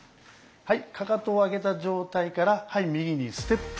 かかとを上げた状態から右にステップ。